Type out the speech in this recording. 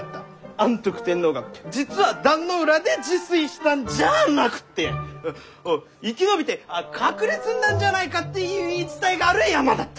安徳天皇が実は壇ノ浦で入水したんじゃなくって生き延びて隠れ住んだんじゃないかっていう言い伝えがある山だった！